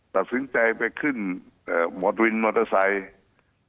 ตัดสินใจไปขึ้นมอเตอร์ไซค์